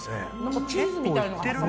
チーズみたいのが。